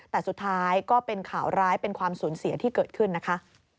แต่สุดท้ายก็เป็นข่าวร้ายเป็นความสูญเสียที่เกิดขึ้นนะคะ